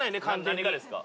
何がですか？